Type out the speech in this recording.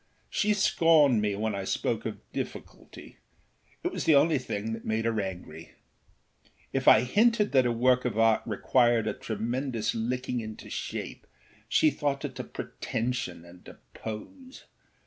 She scorned me when I spoke of difficultyâit was the only thing that made her angry. If I hinted that a work of art required a tremendous licking into shape she thought it a pretension and a pose.